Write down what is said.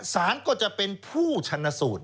สารก็จะเป็นผู้ชนะสูตร